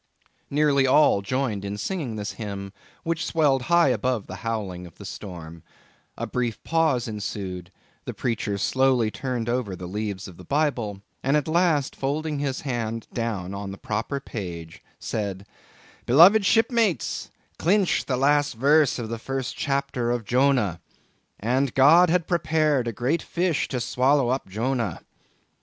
Nearly all joined in singing this hymn, which swelled high above the howling of the storm. A brief pause ensued; the preacher slowly turned over the leaves of the Bible, and at last, folding his hand down upon the proper page, said: "Beloved shipmates, clinch the last verse of the first chapter of Jonah—'And God had prepared a great fish to swallow up Jonah.